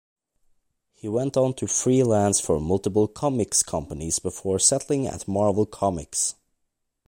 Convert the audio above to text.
He went on to free-lance for multiple comics companies before settling at Marvel Comics.